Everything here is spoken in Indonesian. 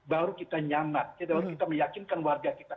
baru kita nyaman baru kita meyakinkan warga kita